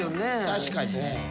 確かにね。